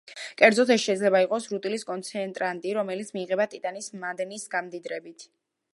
კერძოდ ეს შეიძლება იყოს რუტილის კონცენტრატი, რომელიც მიიღება ტიტანის მადნის გამდიდრებით.